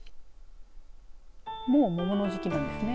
もう桃の時期なんですね。